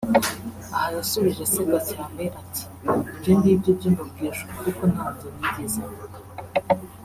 Aha yasubije aseka cyane ati “ Ibyo ng’ibyo byo mbabwije ukuri ko ntabyo nigeze mvuga